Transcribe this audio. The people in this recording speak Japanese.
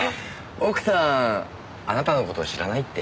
奥さんあなたの事を知らないって。